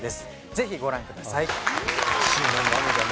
ぜひご覧ください。